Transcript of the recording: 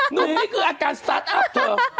นี่คืออาการสตาร์ทอัพเธอ